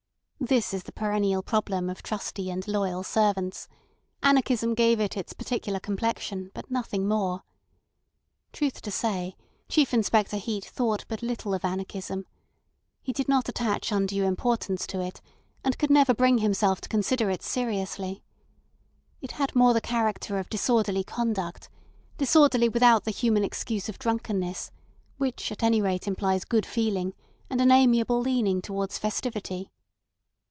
This is the perennial problem of trusty and loyal servants; anarchism gave it its particular complexion, but nothing more. Truth to say, Chief Inspector Heat thought but little of anarchism. He did not attach undue importance to it, and could never bring himself to consider it seriously. It had more the character of disorderly conduct; disorderly without the human excuse of drunkenness, which at any rate implies good feeling and an amiable leaning towards festivity.